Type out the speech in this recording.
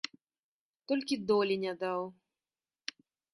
Толькі долі не даў.